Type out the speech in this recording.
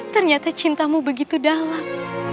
ternyata cintamu begitu dalam